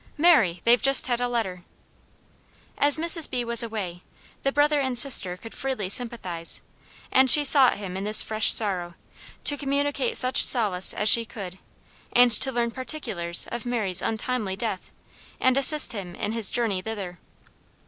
"Mary; they've just had a letter." As Mrs. B. was away, the brother and sister could freely sympathize, and she sought him in this fresh sorrow, to communicate such solace as she could, and to learn particulars of Mary's untimely death, and assist him in his journey thither.